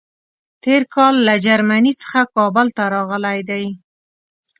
تېر کال له جرمني څخه کابل ته راغلی دی.